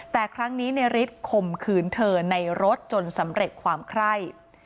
แต่ครั้งนี้ในฤทธิข่มขืนเธอในรถจนสำเร็จความไคร่